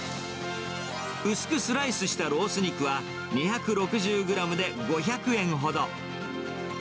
薄くスライスしたロース肉は２６０グラムで５００円ほど。